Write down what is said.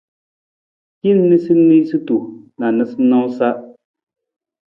Hin niisaniisatu na noosanoosa.